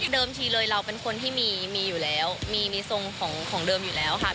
ทีเลยเราเป็นคนที่มีมีอยู่แล้วมีทรงของเดิมอยู่แล้วค่ะ